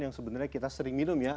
yang sebenarnya kita sering minum ya